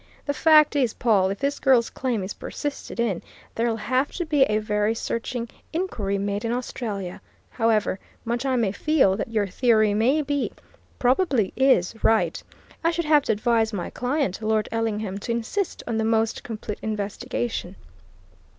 The fact is, Pawle, if this girl's claim is persisted in, there'll have to be a very searching inquiry made in Australia. However much I may feel that your theory may be probably is right, I should have to advise my client, Lord Ellingham, to insist on the most complete investigation."